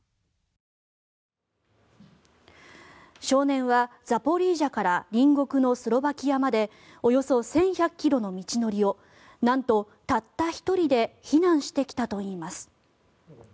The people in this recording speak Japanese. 少年はザポリージャから隣国のスロバキアまでおよそ１１００ｋｍの道のりをなんと、たった１人で避難してきたといいます。